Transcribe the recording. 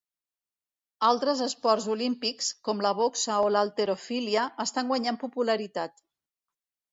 Altres esports olímpics, com la boxa o l'halterofília, estan guanyant popularitat.